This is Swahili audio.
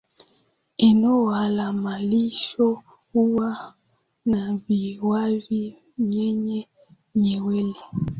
Eneo la malisho huwa na viwavi vyenye nywele